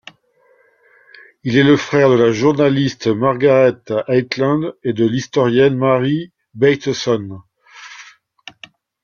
Il est le frère de la journaliste Margaret Heitland et de l'historienne Mary Bateson.